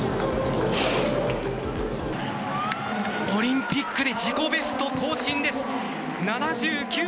オリンピックで自己ベスト更新です。